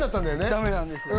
ダメなんです